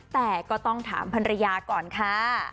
แต่ก็ต้องถามภรรยาก่อนค่ะ